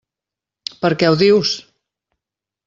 Per què ho dius?